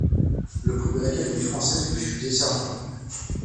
Le prix de l'Académie française lui fut décerné.